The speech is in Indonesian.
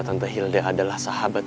tante hilde adalah sahabat